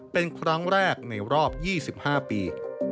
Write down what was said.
เป็นครั้งแรกในรอบ๒๕ปี